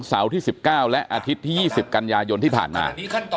ที่๑๙และอาทิตย์ที่๒๐กันยายนที่ผ่านมา